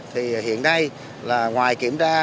thì hiện nay là ngoài kiểm tra